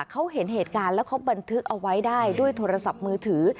เขาเห็นเหตุการณ์แล้วเขาบันทึกเอาไว้ได้ด้วยโทรศัพท์มือถือ